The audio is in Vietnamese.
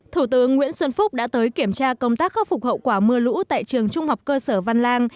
thủ tướng nguyễn xuân phúc đã tới kiểm tra công tác khắc phục hậu quả mưa lũ tại trường trung học cơ sở văn lang